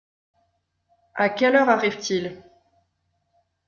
À quelle heure arrive-t-il ?